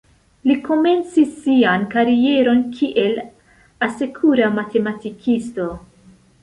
Li komencis sian karieron kiel asekura matematikisto.